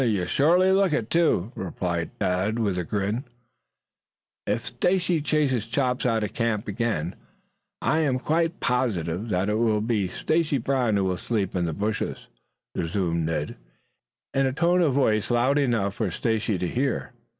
"You surely look it, too," replied Tad with a grin. "If Stacy chases Chops out of camp again I am quite positive that it will be Stacy Brown who will sleep in the bushes," resumed Ned in a tone of voice loud enough for Stacy to hear.